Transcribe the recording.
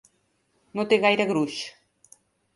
No té gaire gruix.